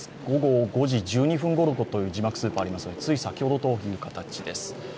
午後５時１２分ごろという字幕スーパーがありますが、つい先ほどです。